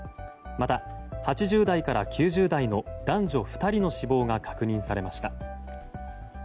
また８０代から９０代の男女２人の死亡が確認されました。